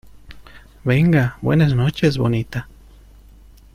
venga, buenas noches , bonita.